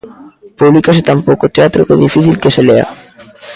Publícase tan pouco teatro que é difícil que se lea.